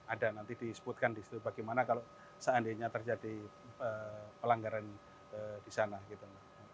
ada nanti disebutkan di situ bagaimana kalau seandainya terjadi pelanggaran di sana gitu